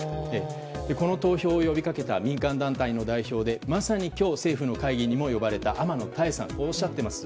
この投票を呼び掛けた民間団体の代表でまさに今日政府の会議にも呼ばれた天野妙さんはこうおっしゃっています。